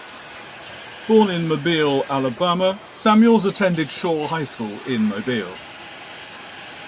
Born in Mobile, Alabama, Samuels attended Shaw High School in Mobile.